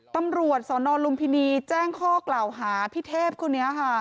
ตำรวจสรลุงพินิแจ้งข้อกล่าวหาพิเทศครัวนี้ค่ะ